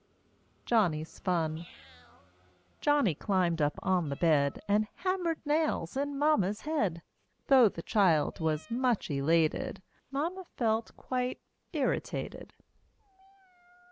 JOHNNY'S FUN Johnny climbed up on the bed, And hammered nails in Mamma's head. Though the child was much elated, Mamma felt quite irritated.